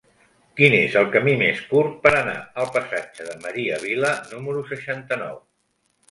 Quin és el camí més curt per anar al passatge de Maria Vila número seixanta-nou?